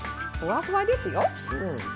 ふわふわですよ！